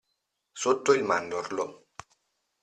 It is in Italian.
Sotto il mandorlo.